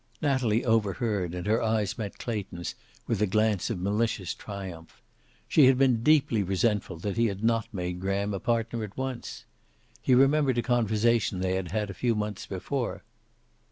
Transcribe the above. Natalie overheard, and her eyes met Clayton's, with a glance of malicious triumph. She had been deeply resentful that he had not made Graham a partner at once. He remembered a conversation they had had a few months before.